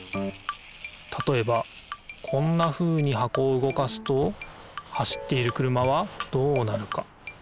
たとえばこんなふうに箱を動かすと走っている車はどうなるか？